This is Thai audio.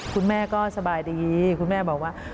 คุณแม่ก็สบายดีคุณแม่บอกว่า